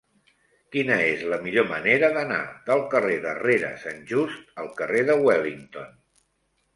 Quina és la millor manera d'anar del carrer de Rere Sant Just al carrer de Wellington?